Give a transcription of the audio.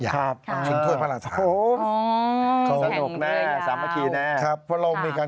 แข่งท่วยพลาดธาวน์